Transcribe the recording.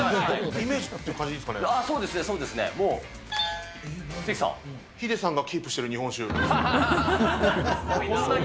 イメージっていう感じでいいそうですね、そうですね、ヒデさんがキープしている日こんなに？